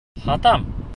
Һатам!